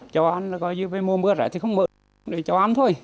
cho ăn là coi như về mùa mưa rét thì không mượn để cho ăn thôi